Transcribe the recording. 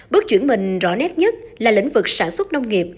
bước chuyển mình rõ nét nhất là lĩnh vực sản xuất nông nghiệp